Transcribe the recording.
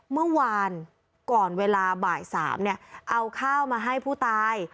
เมื่อวานก่อนเวลาบ่าย๓เนี่ยเอาข้าวมาให้ผู้ตาย